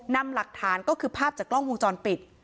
นำหลักฐานก็คือภาพจากกล้องวงจรปิด